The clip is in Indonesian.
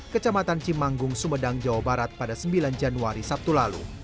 kecamatan cimanggung sumedang jawa barat pada sembilan januari sabtu lalu